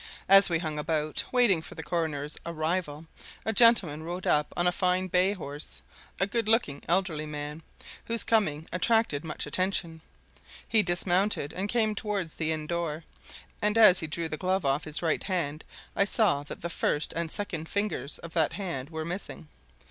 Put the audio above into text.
As we hung about, waiting the coroner's arrival, a gentleman rode up on a fine bay horse a good looking elderly man, whose coming attracted much attention. He dismounted and came towards the inn door, and as he drew the glove off his right hand I saw that the first and second fingers of that hand were missing.